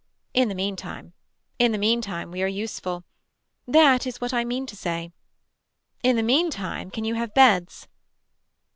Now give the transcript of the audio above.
In the meantime. In the meantime we are useful. That is what I mean to say. In the meantime can you have beds.